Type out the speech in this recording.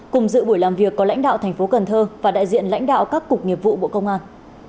cùng dự buổi làm việc có lãnh đạo thành phố cần thơ và đại diện lãnh đạo các cục nghiệp vụ bộ công an